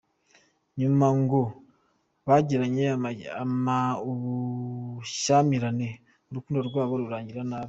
Nyuma ngo bagiranye ubushyamirane urukundo rwabo rurangira nabi.